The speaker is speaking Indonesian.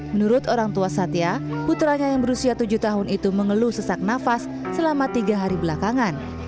menurut orang tua satya putranya yang berusia tujuh tahun itu mengeluh sesak nafas selama tiga hari belakangan